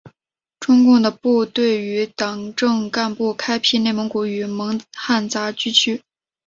中共的部队与党政干部开辟内蒙古与蒙汉杂居区。